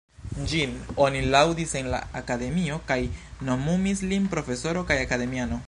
Ĝin oni laŭdis en la Akademio kaj nomumis lin profesoro kaj akademiano.